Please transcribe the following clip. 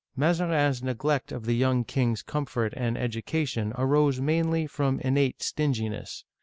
Mazarin*s neglect of the young king's comfort and education arose mainly from innate stinginess.